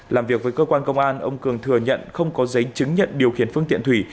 làm việc với cơ quan công an ông cường thừa nhận không có giấy chứng nhận điều khiển phương tiện thủy